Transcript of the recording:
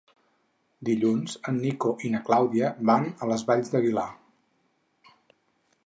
Dilluns en Nico i na Clàudia van a les Valls d'Aguilar.